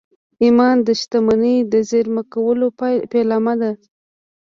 ایمان د شتمنۍ د زېرمه کولو پیلامه ده